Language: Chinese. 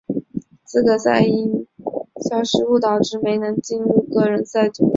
资格赛因为小失误导致没能进入个人项目决赛。